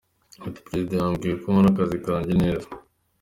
Ati “Perezida yambwiye ko nkora akazi kanjye neza.